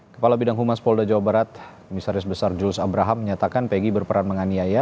kepala bidang humas polda jawa barat misaris besar jurus abraham menyatakan pegg berperan menganiaya